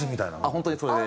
本当にそれ